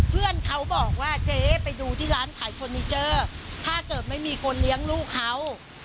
เพื่อนเขาบอกว่าเจ๊ไปดูที่ร้านขายเฟอร์นิเจอร์ถ้าเกิดไม่มีคนเลี้ยงลูกเขา